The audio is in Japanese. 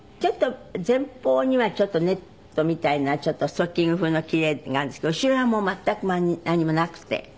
前方にはちょっとネットみたいなストッキング風の布があるんですけど後ろは全く何もなくて。